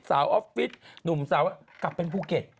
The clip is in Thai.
ออฟฟิศหนุ่มสาวกลับเป็นภูเก็ต